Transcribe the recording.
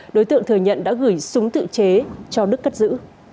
đối tượng thừa nhận đã gửi súng tự chế cho đức cất giữ